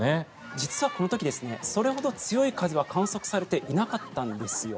実はこの時それほど強い風は観測されていなかったんですよ。